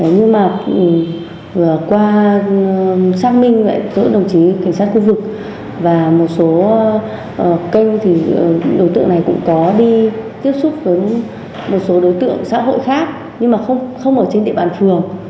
nhưng mà vừa qua xác minh lại giữa đồng chí cảnh sát khu vực và một số kênh thì đối tượng này cũng có đi tiếp xúc với một số đối tượng xã hội khác nhưng mà không ở trên địa bàn phường